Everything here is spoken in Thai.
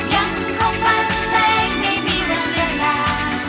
ยังคงวันเรียกยังไม่ธรรมอยาก